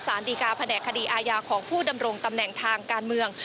สารดีการแผนกคดีอาญาของผู้ดำรงตำแหน่งทางการเมือง